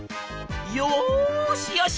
「よしよし！